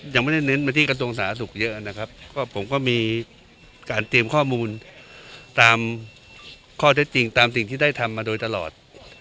ยังไม่ได้เน้นมาที่กระทรวงสาธารณสุขเยอะนะครับก็ผมก็มีการเตรียมข้อมูลตามข้อเท็จจริงตามสิ่งที่ได้ทำมาโดยตลอด